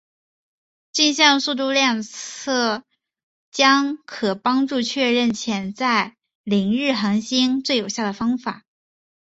径向速度量测将可帮助确认潜在凌日恒星最有效的方式。